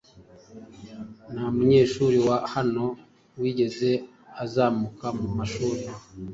nta munyeshuri wa hano wigeze azamuka mu mashuri